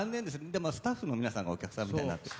でもスタッフの皆さんがお客さんになってる。